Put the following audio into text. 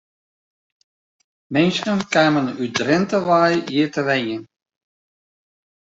Minsken kamen út Drinte wei hjir te wenjen.